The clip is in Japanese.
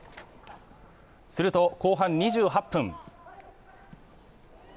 すると後半２８分。